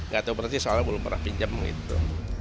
nggak tahu berarti soalnya belum pernah pinjam gitu